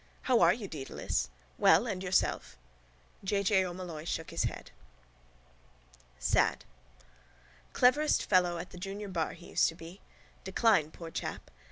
—How are you, Dedalus? —Well. And yourself? J. J. O'Molloy shook his head. SAD Cleverest fellow at the junior bar he used to be. Decline, poor chap.